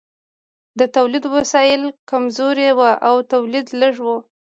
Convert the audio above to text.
د تولید وسایل کمزوري وو او تولید لږ و.